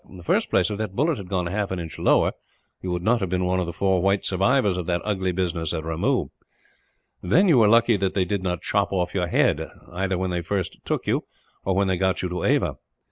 In the first place, if that bullet had gone half an inch lower, you would not have been one of the four white survivors of that ugly business at Ramoo; then you were lucky that they did not chop off your head, either when they first took you, or when they got you to Ava.